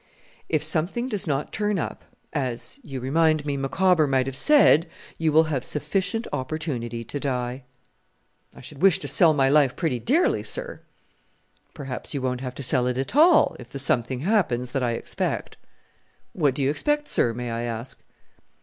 "If something does not turn up as, you remind me, Micawber might have said you will have sufficient opportunity to die." "I should wish to sell my life pretty dearly sir!" "Perhaps you won't have to sell it at all if the something happens that I expect." "What do you expect, sir, may I ask?"